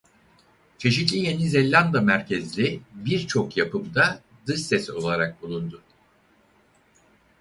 Çeşitli Yeni Zelanda merkezli birçok yapımda dış ses olarak bulundu.